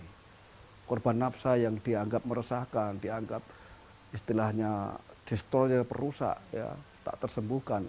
tidak ada nafsa yang dianggap meresahkan dianggap istilahnya perusak tak tersembuhkan